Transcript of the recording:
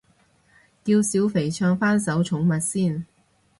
叫小肥唱返首寵物先